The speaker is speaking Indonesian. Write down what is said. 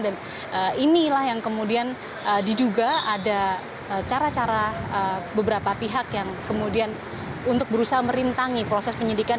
dan inilah yang kemudian diduga ada cara cara beberapa pihak yang kemudian untuk berusaha merintangi proses penyidikan